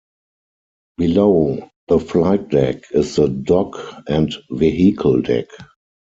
Below the flight deck is the dock and vehicle deck.